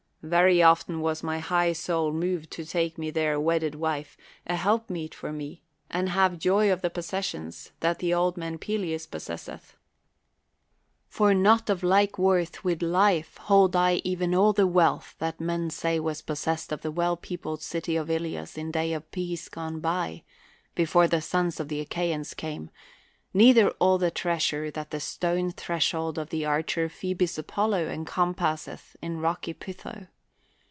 Very often was my high soul moved to take me there a wedded wife, a helpmeet for me, and have joy of the possessions that the old man Pe leus possesseth. For not of like worth with life hold I even all the wealth that men say was possessed of the well peopled city of Ilios in days of peace gone by, before the sons of the Achaians came ; neither all the treasure that the stone threshold of the archer Phoebus Apollo encompasseth in rocky Pytho.